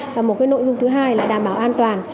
và một nội dung thứ hai là đảm bảo an toàn